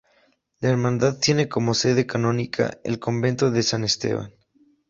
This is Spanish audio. La hermandad tiene como sede canónica el Convento de San Esteban.